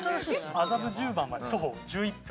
麻布十番まで徒歩１１分。